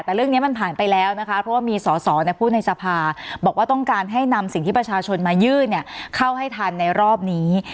แต่เรื่องนี้มันผ่านไปแล้วนะคะเพราะว่ามีสอสอพูดในสภาบอกว่าต้องการให้นำสิ่งที่ประชาชนมายื่นเข้าให้ทันในรอบนี้